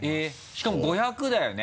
しかも５００だよね？